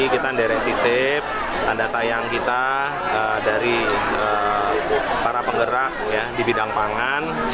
kita derek titip tanda sayang kita dari para penggerak di bidang pangan